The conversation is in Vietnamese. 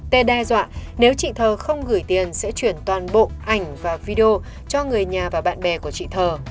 tê đe dọa nếu chị thờ không gửi tiền sẽ chuyển toàn bộ ảnh và video cho người nhà và bạn bè của chị thờ